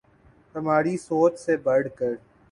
ہماری سوچ سے بڑھ کر